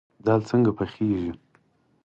دال څنګه پخیږي؟